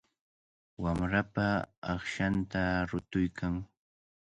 Wamrapa aqchanta rutuykan.